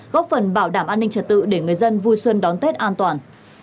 góp phần bảo đảm an ninh trật tự để người dân vui xuân đón tết an toàn